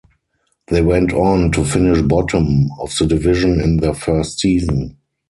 They went on to finish bottom of the division in their first season.